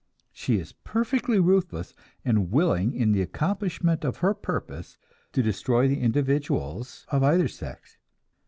She is perfectly ruthless, and willing in the accomplishment of her purpose to destroy the individuals of either sex.